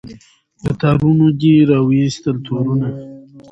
له تارونو دي را وایستل تورونه